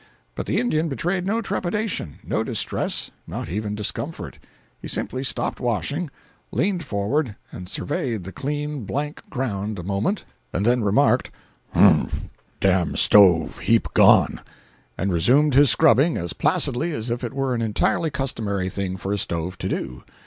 But the Indian betrayed no trepidation, no distress, not even discomfort. He simply stopped washing, leaned forward and surveyed the clean, blank ground a moment, and then remarked: 275.jpg (68K) "Mph! Dam stove heap gone!"—and resumed his scrubbing as placidly as if it were an entirely customary thing for a stove to do.